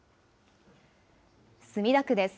墨田区です。